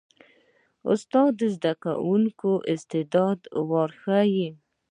استاد د زده کوونکي استعداد راویښوي.